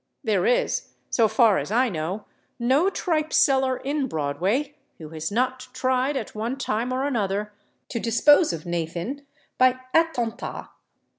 There is, so far as I know, no tripe seller in Broadway who has not tried, at one time or another, to dispose of Nathan by attentat.